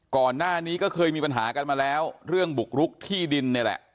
ก่อนหน้านี้ก็เคยมีปัญหากันมาแล้วเรื่องบุกรุกที่ดินนี่แหละ